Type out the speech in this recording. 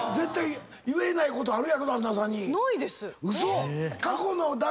ないです。